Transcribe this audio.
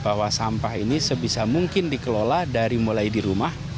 bahwa sampah ini sebisa mungkin dikelola dari mulai di rumah